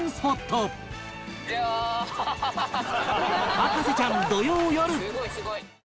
『博士ちゃん』土曜よる